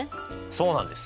そうなんです。